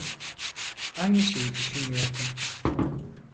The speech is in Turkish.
Aynı şeyi düşünüyordum.